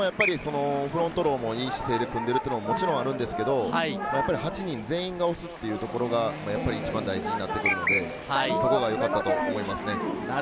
フロントローのいい姿勢もあるんですけれど、８人全員が押すということが一番大事になってくるので、そこがよかったと思います。